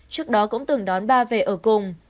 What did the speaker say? trước đó cũng từng đón ba về ở cùng